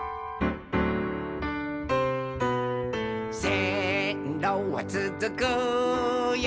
「せんろはつづくよ